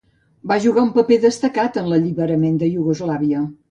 Va jugar un paper destacat en l'alliberament de Iugoslàvia.